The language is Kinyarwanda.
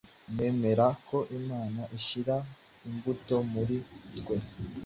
Nemera ko Imana ishyira imbuto muri twe.